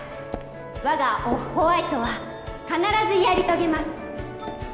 我がオフホワイトは必ずやり遂げます